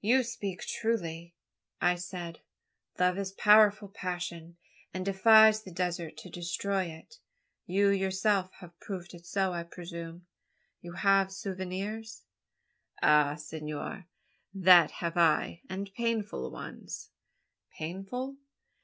"You speak truly," I said. "Love is a powerful passion, and defies even the desert to destroy it. You yourself have proved it so, I presume? You have souvenirs?" "Ay, senor, that have I; and painful ones." "Painful?"